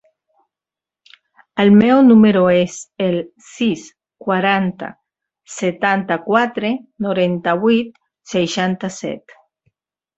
El meu número es el sis, quaranta, setanta-quatre, noranta-vuit, seixanta-set.